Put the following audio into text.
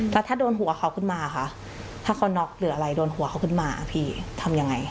แล้วถ้าโดนหัวเขาขึ้นมาคะถ้าเขาน็อกหรืออะไรโดนหัวเขาขึ้นมาพี่ทำยังไง